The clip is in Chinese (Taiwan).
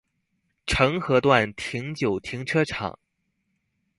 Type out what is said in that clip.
澄合段停九停車場